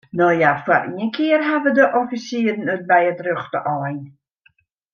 No ja, foar ien kear hawwe de offisieren it by de rjochte ein.